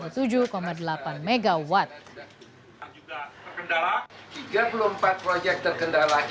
tiga puluh empat proyek terkendala